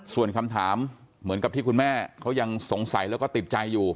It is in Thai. ส่วนคำถามเหมือนกับที่คุณแม่เขายังสงสัยแล้วก็ติดใจอยู่